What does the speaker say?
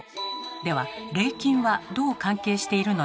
では礼金はどう関係しているのでしょうか。